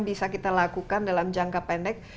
bisa kita lakukan dalam jangka pendek